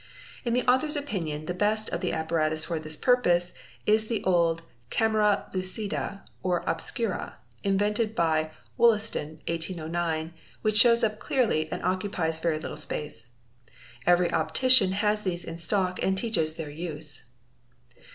In the author's opinion the best of the apparatus for this purpose is the old Camera lucida or obscura, invented by Wollaston, 1809, which shows up clearly and occupies very little space. Every optician has these in stock and teaches their use.